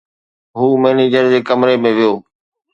هو مئنيجر جي ڪمري ۾ ويو